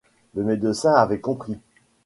Le médecin avait compris.